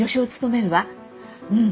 うん。